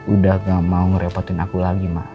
udah gak mau ngerepotin aku lagi mah